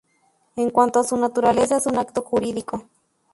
En cuanto a su naturaleza, es un acto jurídico.